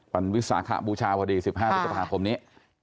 วิสาขบูชาพอดี๑๕พฤษภาคมนี้